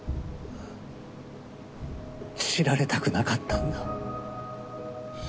知られたくなかったんだ。